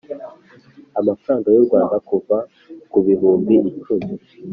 amafaranga y u Rwanda kuva ku bihumbi icumi